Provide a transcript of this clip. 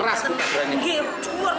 keras betul betul ini